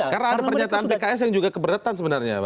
karena ada pernyataan pks yang juga keberatan sebenarnya